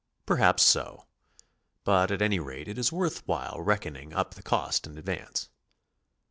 Perhaps so. But at any rate it is worth while reckoning up the cost in advance.